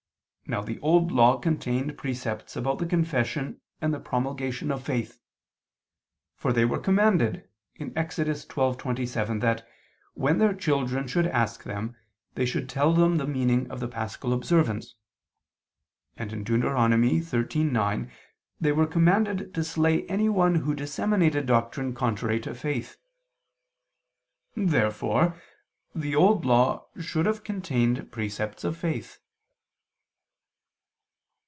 Now the Old Law contained precepts about the confession and the promulgation of faith: for they were commanded (Ex. 12:27) that, when their children should ask them, they should tell them the meaning of the paschal observance, and (Deut. 13:9) they were commanded to slay anyone who disseminated doctrine contrary to faith. Therefore the Old Law should have contained precepts of faith.